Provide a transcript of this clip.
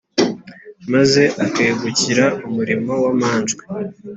Hanyuma akegukira umurimo w’amanjwe: